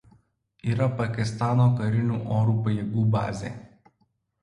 Yra Pakistano karinių oro pajėgų bazė.